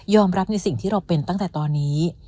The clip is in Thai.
รับในสิ่งที่เราเป็นตั้งแต่ตอนนี้